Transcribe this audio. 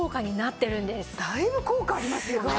だいぶ効果ありますよね。